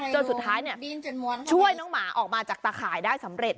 จนสุดท้ายช่วยน้องหมาออกมาจากตะข่ายได้สำเร็จ